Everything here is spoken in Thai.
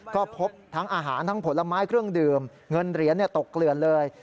ก็พบทั้งอาหารทั้งผลไม้เครื่องดื่มเงินเหรียญตกเกลือนเลย